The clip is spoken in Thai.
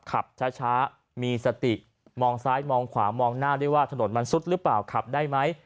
ขับช้ามีสติมองซ้ายมองขวามองหน้าได้ว่าถนนมันซุดหรือเปล่าขับได้ไหม